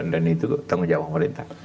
dan itu tanggung jawab pemerintah